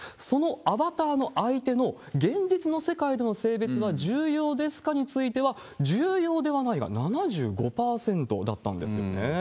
そのアバターの相手の現実の世界での性別は重要ですか？については、重要ではないが７５％だったんですね。